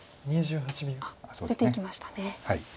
出ていきましたね。